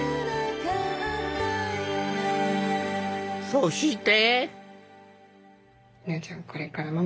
そして。